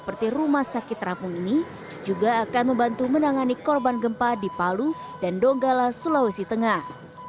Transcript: seperti rumah sakit terapung ini juga akan membantu menangani korban gempa di palu dan donggala sulawesi tengah